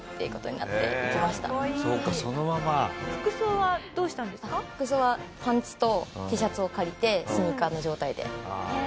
服装はパンツとＴシャツを借りてスニーカーの状態で。